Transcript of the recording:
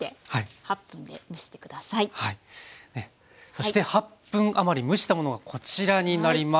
そして８分余り蒸したものがこちらになります。